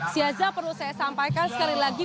si aza perlu saya sampaikan sekali lagi